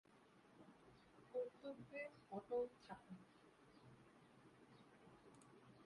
কর্তব্যে অটল থাকুন।